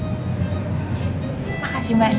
terima kasih mbak anem